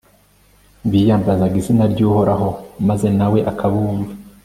biyambazaga izina ry'uhoraho, maze na we akabumva